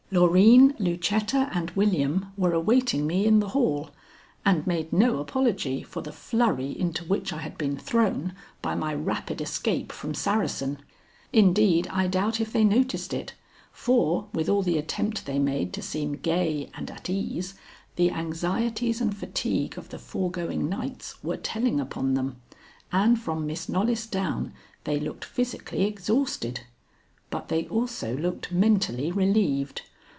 Loreen, Lucetta, and William were awaiting me in the hall, and made no apology for the flurry into which I had been thrown by my rapid escape from Saracen. Indeed I doubt if they noticed it, for with all the attempt they made to seem gay and at ease, the anxieties and fatigue of the foregoing nights were telling upon them, and from Miss Knollys down, they looked physically exhausted. But they also looked mentally relieved.